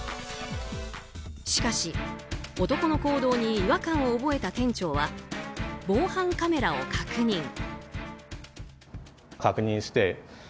しかし、男の行動に違和感を覚えた店長は防犯カメラを確認。